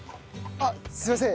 あっすいません